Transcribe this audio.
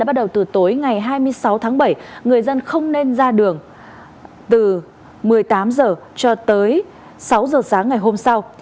bắt đầu từ tối ngày hai mươi sáu tháng bảy người dân không nên ra đường từ một mươi tám h cho tới sáu h sáng ngày hôm sau